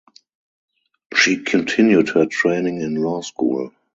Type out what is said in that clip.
She continued her training in law school.